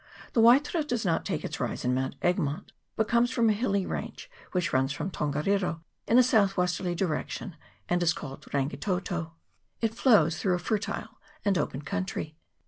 The Waitara does not take its rise in Mount Egmont, but comes from a hilly range which runs from Tongariro in a south westerly di rection, and is called Rangitoto. It flows through a fertile and open country.